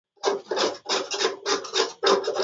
yaliofanyika huko nchini abu dhabi